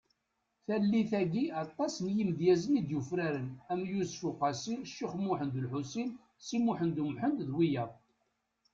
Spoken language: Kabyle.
Tallit-agi, aṭas n yimedyazen i d-yufraren am Yusef Uqasi , Cix Muhend Ulḥusin Si Muḥend Umḥend d wiyaḍ .